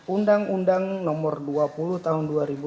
undang undang nomor dua puluh tahun dua ribu dua